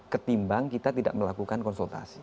ketimbang kita tidak melakukan konsultasi